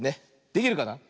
できるかな。